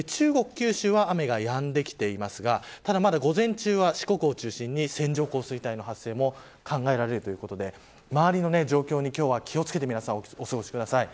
九州は雨がやんできていますが午前中は四国を中心に線状降水帯の発生も考えられるということで周りの状況に、今日は気を付けてお過ごしください。